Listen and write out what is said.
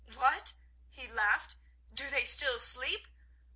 "What," he laughed, "do they still sleep?